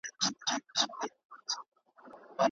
په علمي کارونو کي ړوند تقلید ځای نه لري.